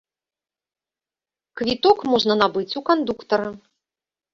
Квіток можна набыць у кандуктара.